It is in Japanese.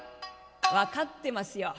「分かってますよ。